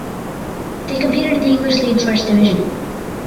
They competed in the English League First Division.